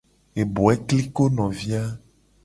Eboe kliko novi a.